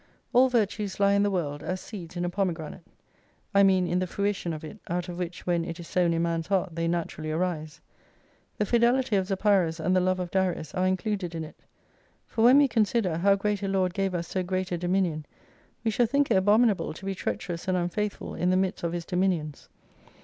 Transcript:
All virtues lie in the World, as seeds in a pomegranate : I mean in the fruition of it, out of which when it is sown in man's heart they naturally arise. The fidelity of Zopyrus and the love of Darius are included in it. For when we consider, how great a Lord gave us so great a dominion : we shall think it abominable to be treacherous and unfaith ful in the midst of His dominions.